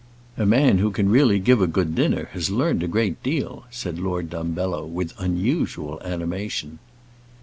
"A man who can really give a good dinner has learned a great deal," said Lord Dumbello, with unusual animation.